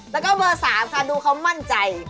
แล้วก็เบอร์๓ค่ะดูเขามั่นใจ